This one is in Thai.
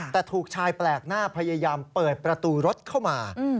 แต่ถูกชายแปลกหน้าพยายามเปิดประตูรถเข้ามา